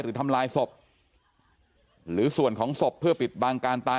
ทำลายศพหรือส่วนของศพเพื่อปิดบังการตาย